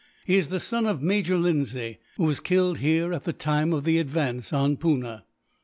He is the son of Major Lindsay, who was killed here at the time of the advance on Poona."